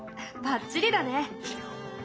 ばっちりだね。